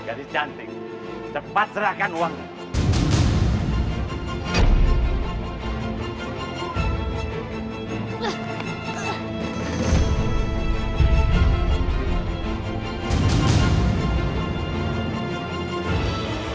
jadi cantik cepat serahkan uang nya